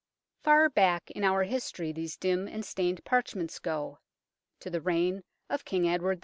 Far back in our history these dim and stained parchments go, to the reign of King Edward IV.